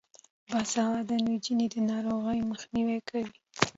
باسواده نجونې د ناروغیو مخنیوی کوي.